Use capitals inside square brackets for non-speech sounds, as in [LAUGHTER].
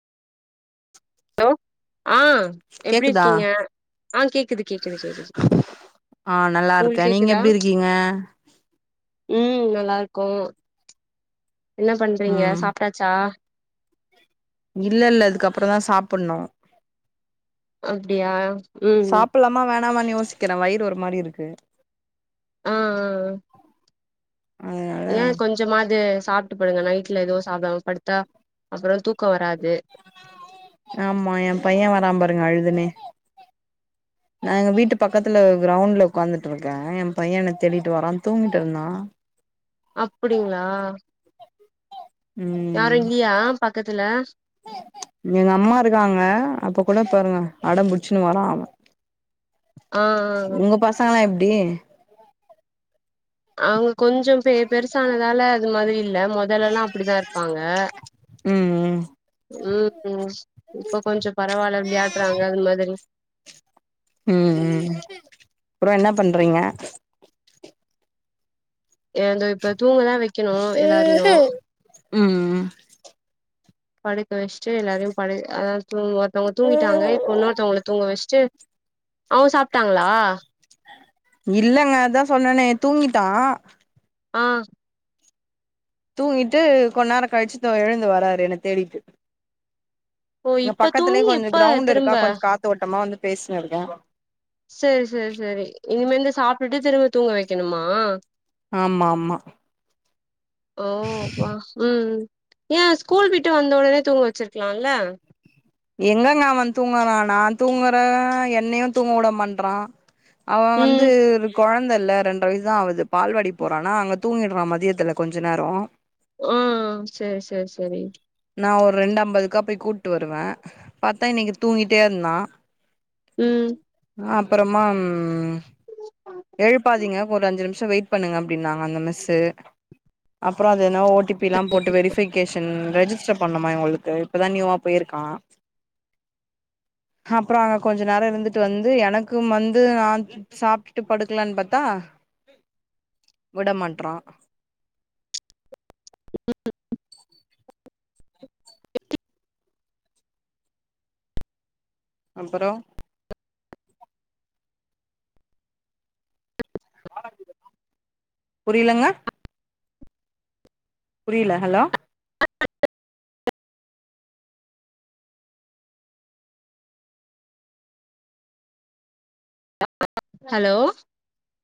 Hello ஆ எப்டி கேக்குதா இருக்கீங்க ஆ கேக்குது கேக்குது கேக்குது ஆ நல்லா இருக்கே உங்களுக்கு நீங்க கேக்குதா எப்டி இருக்கீங்க உம் நல்லா இருக்கோம் என்ன பண்றீங்க ம் சாப்ட்டாச்சா இல்ல இல்ல இதுக்கப்புறந்தா சாப்புட்னு அப்டியா ம் சாப்புட்லாமா வேணாமானு யோசிக் கிற வயிறு ஒரு மாரி இருக்கு [UNINTELLIGIBLE] அதனால ஏன் கொஞ்சமாது சாப்ட்டு படுங்க நைட்ல எது சாப்டாம படுத்தா அப்புறம் தூக் ஆமா என் பையன் வரா பாருங்க அழுதுனே நா எங்க வீட்டுப் பக்கத்துல கிரவுண்ட்ல உட்காந்துட்டு இருக்க என் பையன் என்ன தேடிட்டு வரான் தூங்கிட்டு இருந்தான் அப்டிங்களா யாரு உம் இல்லியா பக்கத்துல எங்க அம்மா இருக்காங்க அப்ப கூட பாருங்க அடம்பிடிச்சுன்னு வரான் அவன் ஆ ஆ ஆ. உங்க பசங்கள்லாம் எப் அப்டியே அவுங்க கொஞ்ச பெ பெருசானதால அது மாரி இல்ல மொதல்ல எல்லா அப்டித்தான் இருப்பாங்க ம் ம் ம் இப்ப கொஞ்சம் பரவாயில்ல விளையாட்றாங்க அது மாதிரி அப்புறம் என்ன பண்றீங்க ஏ இப்ப தூங்கதா வெக் உம் உம் படுக்க வச்சிட்டு எல்லாரையும் படு அதாவது தூங்க ஒருத்தவங்க தூங்கிட்டாங்க இப்ப ம் இன்னொருத்தவங்கள தூங்க வச்சிட்டு அவுங்க சாப்ட்டாங்களா இல்லங்க அதான் சொன்னனே தூங்கிட்டான் ஆ தூங்கிட்டு கொன்னநேர கழிச்சு எழுந்து வராரு என்ன தேடிட்டு ஓ இங்க இப்ப பக்கத்துலேயே தூங்கி கொஞ்ச எப்ப கிரௌண்ட் இருக்கா திரும்ப கொஞ்ச காத்தோட்டமா வந்து பேசின்னுருக்கே சரி சரி சரி இனிமேந்தா சாப் விட்டு திரும்ப தூங்க வைக்கணுமா ஆமா ஆமா ஓமா உம் ஏன் ஸ்கூல் போயிட்டு வந்த உடனே தூங்க வச்சிருக்கலாம்ல்ல எங்கங்கா அவ தூங்குரா நா தூங்குற என்னையும் தூங்க விட மாற்றான் அவ வந்து ம் குழந்த இல்ல ரெண்டு வயசுதா அவது பால்வாடி போறானா அங்க தூங்கிடுறான் மதியத்துல கொஞ்ச நேரம் ஹ் சரி சரி சரி நா ஒரு ரெண்டு அம்பதுக்கா போய் கூப்பிட்டு வருவேன் பத்தா இன்னைக்கு தூங்கிட்டே இருந்தா உம் அப்புறமா எழுப்பாதீங்க ஒரு அஞ்சு நிமிஷம் வெயிட் பண்ணுங்க அப்படின்னாங்க அந்த மிஸ்சு அப்புறம் னா ஓ டி பி எல்லாம் போட்டு வெரிஃபிகேஷன் ரெஜிஸ்டர் பண்ணுமா இவங்களுக்கு இப்போதா நியூவா போயிருக்கா அப்புறம் அங்க கொஞ்ச நேரம் இருந்துட்டு வந்து எனக்கும் வந்து நா சாப்பிட்டுட்டு படுக்கலன்னு பத்தா விட மாட்டற [UNINTELLIGIBLE] அப்புறம் புரியலங்க புரியல ஹலோ [UNINTELLIGIBLE] ஹலோ